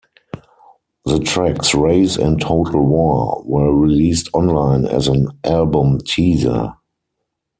The tracks "Raise" and "Total War" were released online as an album teaser.